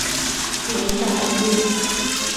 我无法登入